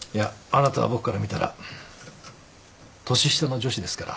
あなたは僕から見たら年下の女子ですから。